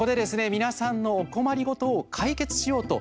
皆さんのお困り事を解決しようと